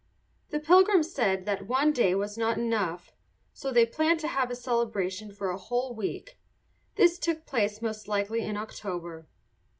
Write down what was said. The Pilgrims said that one day was not enough; so they planned to have a celebration for a whole week. This took place most likely in October.